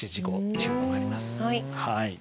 はい。